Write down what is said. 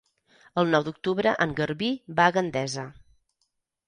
El nou d'octubre en Garbí va a Gandesa.